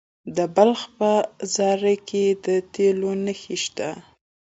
د بلخ په زاري کې د تیلو نښې شته.